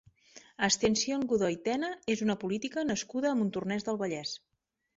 Ascensión Godoy Tena és una política nascuda a Montornès del Vallès.